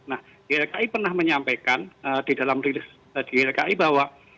nah ylki pernah menyampaikan di dalam rilis di ylki bahwa